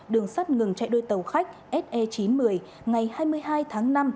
đường sắt ngừng chạy đôi tàu khách se chín một mươi ngày hai mươi hai tháng năm